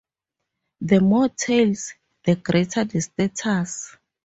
The more tails, the greater the status.